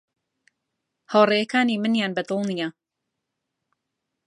هاوڕێکانی منیان بە دڵ نییە.